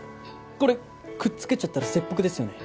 これくっつけちゃったら切腹ですよね？